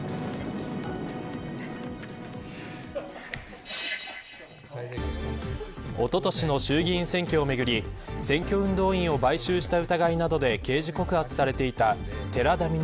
小室さん、無事飛んで３、２、１で一緒におととしの衆議院選挙をめぐり選挙運動員を買収した疑いなどで刑事告発されていた寺田稔